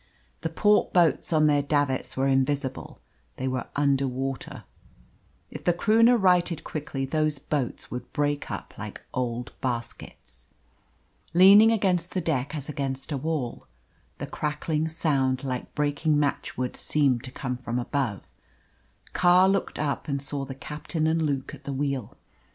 The port boats on their davits were invisible; they were under water. If the Croonah righted quickly those boats would break up like old baskets. The two men on the lower bridge stood on the uprights of the rail, leaning against the deck as against a wall. The crackling sound like breaking matchwood seemed to come from above. Carr looked up and saw the captain and Luke at the wheel.